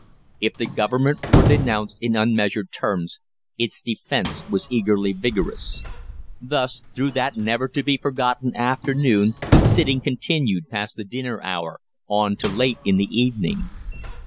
If the Government were denounced in unmeasured terms, its defence was equally vigorous. Thus, through that never to be forgotten afternoon the sitting continued past the dinner hour on to late in the evening.